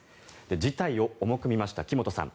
事態を重く見ました木本さん